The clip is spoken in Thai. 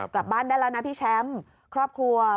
กลับบ้านได้แล้วนะพี่แชมป์ครอบครัว